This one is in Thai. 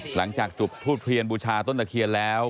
หลังจากจุดทูบเทียนบูชาต้นตะเคียนแล้ว